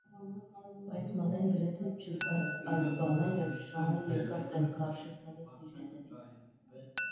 Բայց Մանեն գրեթե չզղջաց այդ բանը և շանը երկար տեղ քարշ էր տալիս իր հետևից: